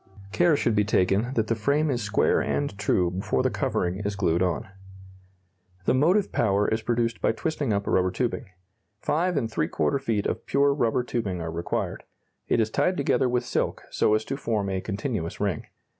Care should be taken that the frame is square and true before the covering is glued on. The motive power is produced by twisting up rubber tubing. Five and three quarter feet of pure rubber tubing are required. It is tied together with silk so as to form a continuous ring.